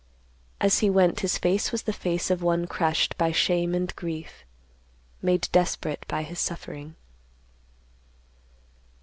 As he went his face was the face of one crushed by shame and grief, made desperate by his suffering.